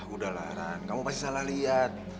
udah lah ran kamu pasti salah liat